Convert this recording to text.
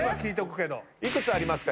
幾つありますか？